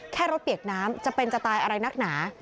แค่รถเปียกน้ำจะเป็นจะตายอะไรนักหนา